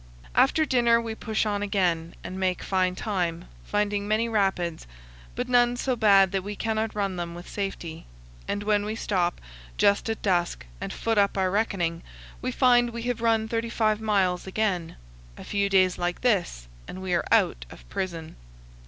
After dinner we push on again and make fine time, finding many rapids, but none so bad that we cannot run them with safety; and when we stop, just at dusk, and foot up our reckoning, we find we have run 35 miles again. A few days like this, and we are out of prison.